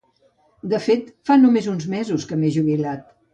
De fet només fa uns mesos que m'he jubilat.